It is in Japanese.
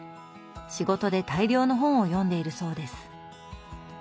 仕事で大量の本を読んでいるそうです。